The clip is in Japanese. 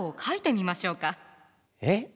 えっ？